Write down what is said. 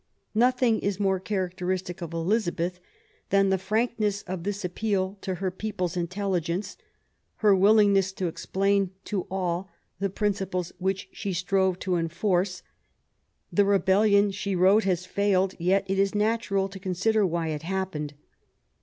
Nothing is more characteristic of Elizabeth than the frankness of this appeal to her people's intelligence, her willingness to explain to all the principles which she strove to enforce. The rebellion, She wrote, has failed ; yet it is natural to consider why it happened.